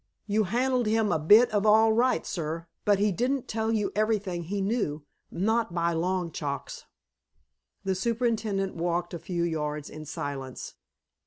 "You handled him a bit of all right, sir, but he didn't tell you everything he knew, not by long chalks." The superintendent walked a few yards in silence.